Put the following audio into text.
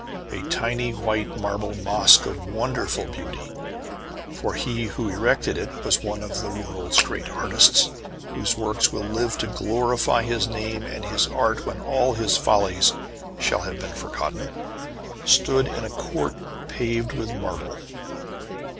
A tiny white marble mosque of wonderful beauty for he who erected it was one of the world's great artists, whose works will live to glorify his name and his art when all his follies shall have been forgotten stood in a court paved with marble.